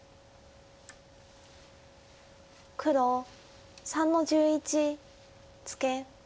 黒３の十一ツケ。